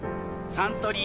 サントリー